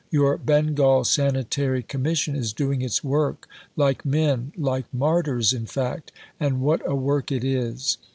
Your Bengal Sanitary Commission is doing its work, like men like martyrs, in fact, and what a work it is!